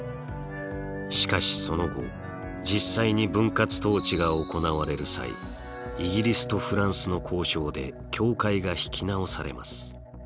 しかしその後実際に分割統治が行われる際イギリスとフランスの交渉で境界が引き直されます。